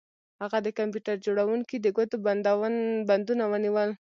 هغه د کمپیوټر جوړونکي د ګوتو بندونه ونیول